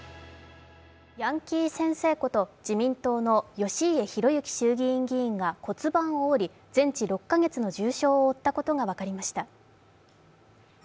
ヤンキー先生こと自民党の義家弘介衆議院議員が骨盤を折り、全治６か月の重傷を負ったことが分かりました。